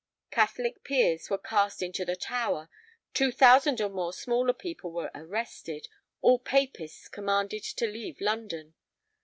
Catholic peers were cast into the Tower; two thousand or more smaller people were arrested; all papists commanded to leave London.